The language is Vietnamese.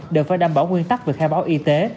đều phải đảm bảo nguyên tắc về khai báo y tế